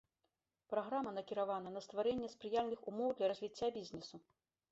Праграма накіравана на стварэнне спрыяльных умоў для развіцця бізнесу.